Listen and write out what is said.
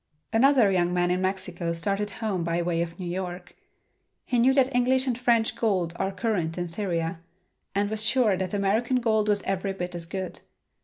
Another young man in Mexico started home by way of New York. He knew that English and French gold are current in Syria, and was sure that American gold was every bit as good.